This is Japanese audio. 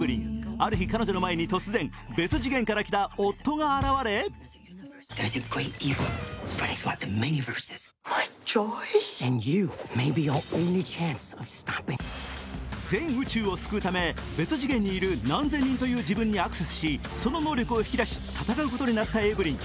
ある日、彼女の前に突然、別次元から来た夫が現れ全宇宙を救うため別次元にいる何千人という自分にアクセスしその能力を引き出し戦うことになったエヴリン。